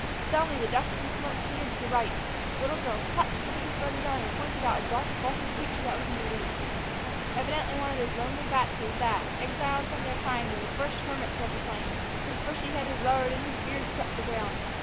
Suddenly, the dust and smoke clearing to the right, the little girl clutched the biggest brother's arm and pointed out a dark, bulky creature that was in the lead. It was a bison, evidently one of those lonely bachelors that, exiled from their kind, were the first hermits of the plains. His bushy head was lowered and his beard swept the ground.